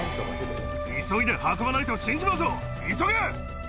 急いで運ばないと死んじまうぞ、急げ！